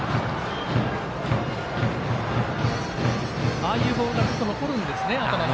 ああいうボールがずっと残るんですね、頭に。